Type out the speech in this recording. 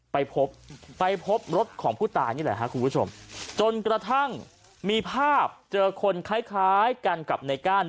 ไปพบไปพบรถของผู้ตายนี่แหละครับคุณผู้ชมจนกระทั่งมีภาพเจอคนคล้ายคล้ายกันกับในก้าน